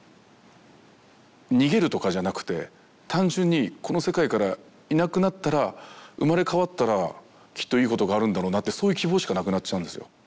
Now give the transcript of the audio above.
逃げるとかじゃなくて単純にこの世界からいなくなったら生まれ変わったらきっといいことがあるんだろうなってそういう希望しかなくなっちゃうんですよ。